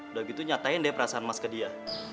udah gitu nyatain deh perasaan mas ke dia